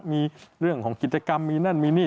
มีเรื่องของกิจกรรมมีนั่นมีนี่